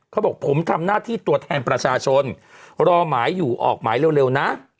เขาบอกผมทำหน้าที่ตัวแทนประชาชนรอหมายอยู่ออกหมายเร็วนะ